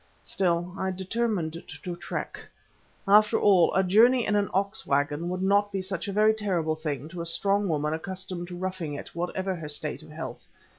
Still I determined to trek. After all, a journey in an ox waggon would not be such a very terrible thing to a strong woman accustomed to roughing it, whatever her state of health.